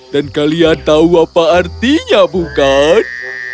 dan kalian tahu apa artinya bukan